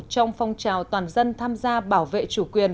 trong phong trào toàn dân tham gia bảo vệ chủ quyền